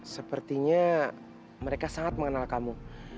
sepertinya mereka sangat mengenal kamu